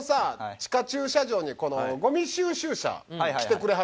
地下駐車場にゴミ収集車来てくれはるやん。